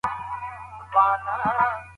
تخنیکي پرمختګ د بشریت په ګټه دی.